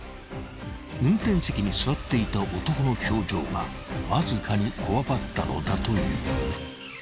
［運転席に座っていた男の表情がわずかにこわばったのだという］